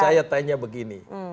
saya tanya begini